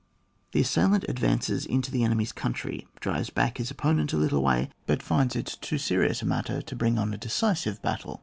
The assailant advances into the enemy's country, drives back his op ponent a little way, but finds it too serious a matter to bring on a decisive battle.